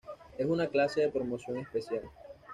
Es una clase de promoción especial.